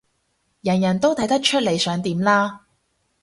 人人都睇得出你想點啦